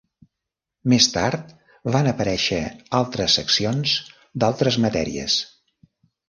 Més tard van aparèixer altres seccions d'altres matèries.